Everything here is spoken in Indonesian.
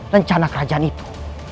rencana kerajaan itu